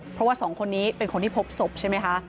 เพราะว่าสองคนนี้เป็นคนที่พบศพใช่ไหมคะ